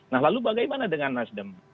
nah lalu bagaimana dengan nasdem